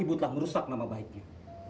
ibu telah merusak nama baiknya